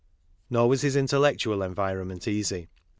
Nor was his intellectual environment easy.